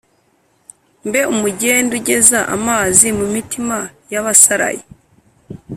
Mbe umugende ugeza amazi mu mitima y’abasaraye